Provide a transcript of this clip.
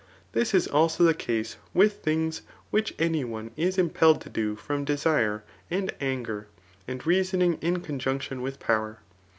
This is also the case with things which any one is im pelled to do from desire and anger, and reasoning in conjunction with power.